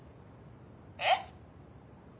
えっ？